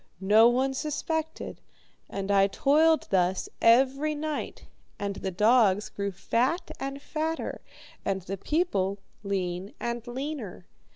No one suspected, and I toiled thus every night, and the dogs grew fat and fatter, and the people lean and leaner.